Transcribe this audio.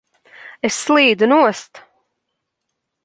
Es slīdu nost!